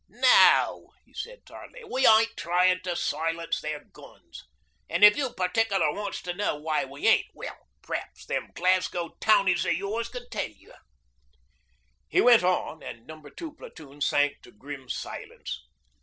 'No,' he said tartly, 'we ain't tryin' to silence their guns. An' if you partickler wants to know why we ain't well, p'raps them Glasgow townies o' yours can tell you.' He went on and No. 2 Platoon sank to grim silence.